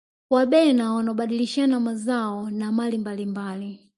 wabena wanabadilishana mazao na mali mbalimbali